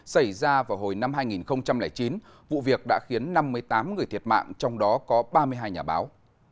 xảy ra vào hồi năm hai nghìn chín vụ việc đã khiến năm mươi tám người thiệt mạng trong đó có ba mươi hai nhà báo